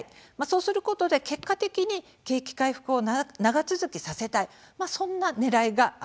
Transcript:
そうすることで結果的に景気回復を長続きさせたいそんな、ねらいがあるんです。